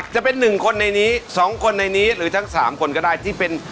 จะเป็นหนึ่งคนในนี้สองคนในนี้หรือทั้งสามคนก็ได้ที่เป็น